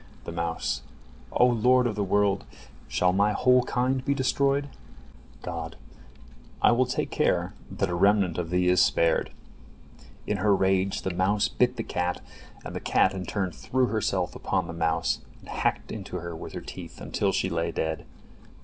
The mouse: "O Lord of the world! Shall my whole kind be destroyed?" God: "I will take care that a remnant of thee is spared." In her rage the mouse bit the cat, and the cat in turn threw herself upon the mouse, and hacked into her with her teeth until she lay dead.